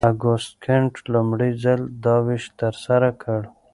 اګوست کنت لومړی ځل دا ویش ترسره کړ.